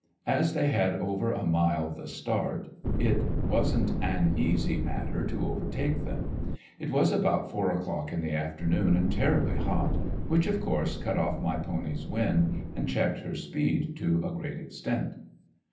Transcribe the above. As they had over a mile the start it wasn't an easy matter to overtake them. It was about four o'clock in the afternoon and terribly hot; which of course cut off my pony's wind and checked her speed to a great extent.